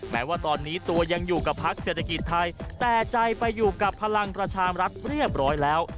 แม้ว่าตอนนี้ตัวยังอยู่กับพักเศรษฐกิจไทยแต่ใจไปอยู่กับพลังประชามรัฐเรียบร้อยแล้ว